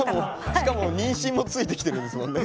しかも妊娠もついてきてるんですもんね。